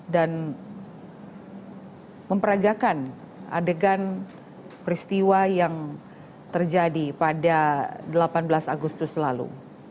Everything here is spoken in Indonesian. dan memperagakan adegan peristiwa yang terjadi pada delapan belas agustus lalu